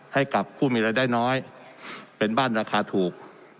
ให้กับผู้มีรายได้น้อยเป็นบ้านราคาถูก